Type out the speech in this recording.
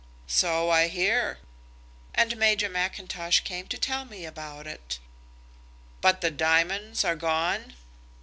"So I hear." "And Major Mackintosh came to tell me about it." "But the diamonds are gone?"